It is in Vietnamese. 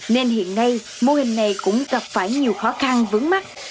nên hiện nay mô hình này cũng gặp phải nhiều khó khăn vướng mắt